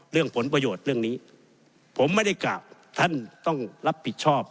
เรื่องผลประโยชน์เรื่องนี้ผมไม่ได้กล่าวท่านต้องรับผิดชอบ